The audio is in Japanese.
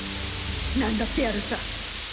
何だってやるさ！